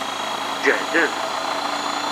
Jehden.